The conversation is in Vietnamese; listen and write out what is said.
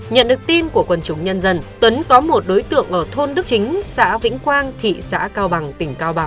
nhận được tin của quần chúng nhân dân tuấn có một đối tượng ở thôn đức chính xã vĩnh quang thị xã cao bằng tỉnh cao bằng